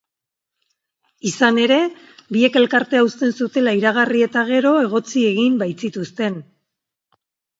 Izan ere, biek elkartea uzten zutela iragarri eta gero egotzi egin baitzituzten.